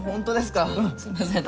すいません。